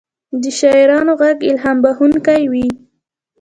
د شاعرانو ږغ الهام بښونکی وي.